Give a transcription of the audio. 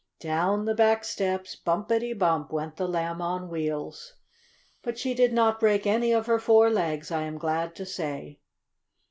Down the back steps, bumpity bump went the Lamb on Wheels. But she did not break any of her four legs, I am glad to say.